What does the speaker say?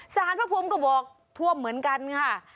สารพระภูมิก็บอกท่วมเหมือนกันค่ะ